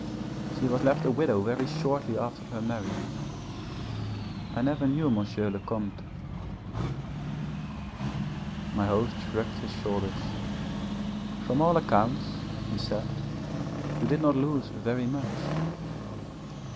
She was left a widow very shortly after her marriage. I never knew M. le Comte.' My host shrugged his shoulders. 'From all accounts,' he said, 'you did not lose very much.'